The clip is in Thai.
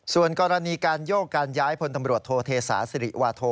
ส่วนกรณีการโยกการย้ายพลตำรวจโทเทศาสิริวาโท